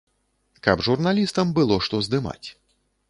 Каб журналістам было што здымаць.